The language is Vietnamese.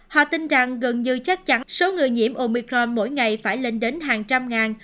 họ tin rằng gần như chắc chắn số người nhiễm omicron mỗi ngày phải lên đến hàng trăm ngàn